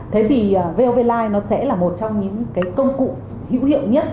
thế thì vovlive nó sẽ là một trong những cái công cụ hữu hiệu nhất